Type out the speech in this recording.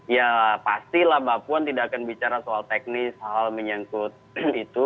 ya pastilah mbak puan tidak akan bicara soal teknis hal menyangkut itu